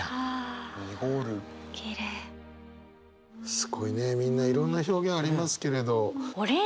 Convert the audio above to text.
すごいねみんないろんな表現ありますけれど。